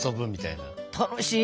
楽しい。